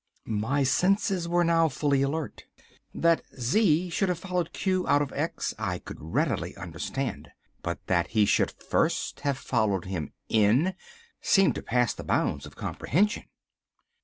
My senses were now fully alert. That Z should have followed Q out of X, I could readily understand, but that he should first have followed him in seemed to pass the bounds of comprehension.